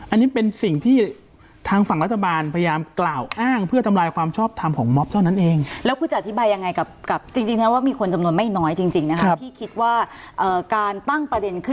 อันนี้เป็นสิ่งที่ทางฝั่งรัฐบาลพยายามกล่าวอ้าง